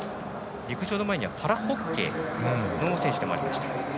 陸上の前にはパラホッケーの選手でもありました。